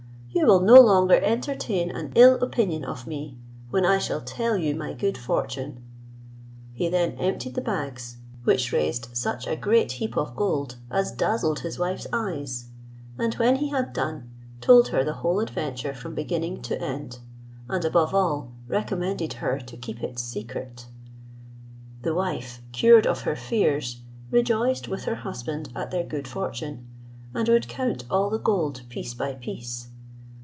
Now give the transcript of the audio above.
You will no longer entertain an ill opinion of me, when I shall tell you my good fortune." He then emptied the bags, which raised such a great heap of gold, as dazzled his wife's eyes; and when he had done, told her the whole adventure from beginning to end; and, above all, recommended her to keep it secret. The wife, cured of her fears, rejoiced with her husband at their good fortune, and would count all the gold, piece by piece.